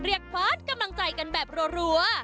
เรียกพอร์ตกำลังใจกันแบบรวรัว